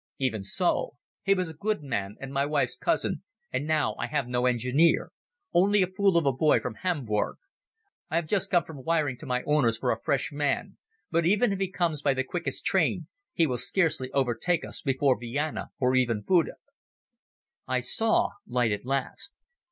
"Even so. He was a good man and my wife's cousin, and now I have no engineer. Only a fool of a boy from Hamburg. I have just come from wiring to my owners for a fresh man, but even if he comes by the quickest train he will scarcely overtake us before Vienna or even Buda." I saw light at last.